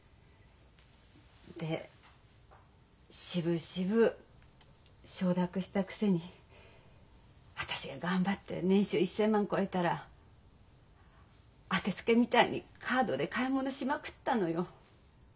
でしぶしぶ承諾したくせに私が頑張って年収１，０００万超えたら当てつけみたいにカードで買い物しまくったのよ。